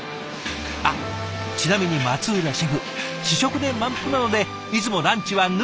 あっちなみに松浦シェフ試食で満腹なのでいつもランチは抜きだそうです。